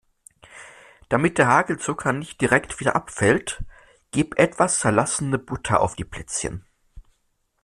Damit der Hagelzucker nicht direkt wieder abfällt, gib etwas zerlassene Butter auf die Plätzchen.